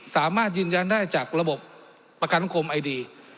สามารถยืนยันได้จากระบบประกันสังคมไอดี